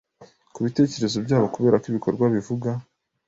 kubitekerezo byabo Kuberako ibikorwa bivuga